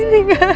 ini gak ada